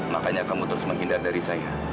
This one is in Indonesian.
makanya kamu terus menghindar dari saya